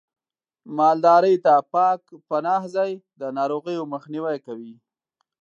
مالدارۍ ته پاک پناه ځای د ناروغیو مخنیوی کوي.